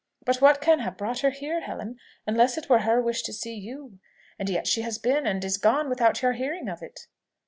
But what can have brought her here, Helen, unless it were her wish to see you? And yet she has been, and is gone, without your hearing of it."